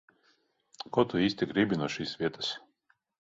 Ko tu īsti gribi no šīs vietas?